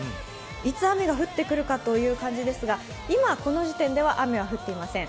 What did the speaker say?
いつ雨が降ってくるかという感じですが、今、この時点では雨が降っていません。